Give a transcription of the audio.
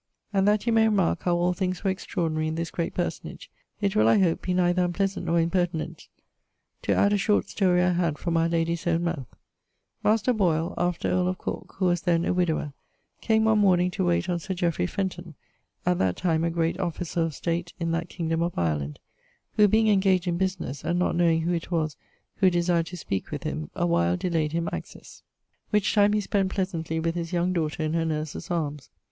And that you may remark how all things were extraordinary in this great personage, it will, I hope, be neither unpleasant, nor impertinent, to add a short story I had from our lady's own mouth: Master Boyl, after earle of Cork (who was then a widdower), came one morning to waite on Sir Jeofry Fenton, at that time a great officer[XXIV.] of state in that kingdome of Ireland, who being ingaged in business, and not knowing who it was who desired to speake with him, a while delayed him access; which time he spent pleasantly with his young daughter in her nurse's arms.